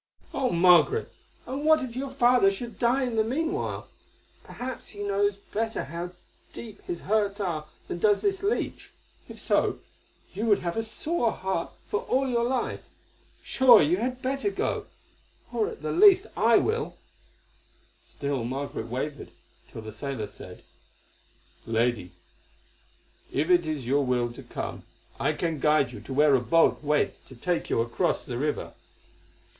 "Oh! Margaret, and what if your father should die in the meanwhile? Perhaps he knows better how deep his hurts are than does this leech. If so, you would have a sore heart for all your life. Sure you had better go, or at the least I will." Still Margaret wavered, till the sailor said: "Lady, if it is your will to come, I can guide you to where a boat waits to take you across the river.